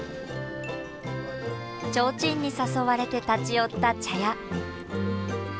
ちょうちんに誘われて立ち寄った茶屋。